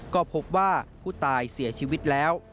ก็พบว่าผู้ตายเสียชีวิตแล้ว